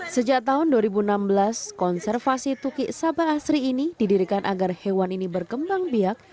sejak tahun dua ribu enam belas konservasi tukik sabang asri ini didirikan agar hewan ini berkembang biak